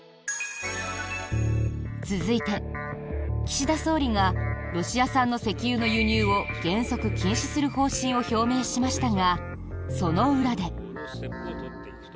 続いて、岸田総理がロシア産の石油の輸入を原則禁止する方針を表明しましたが、その裏で。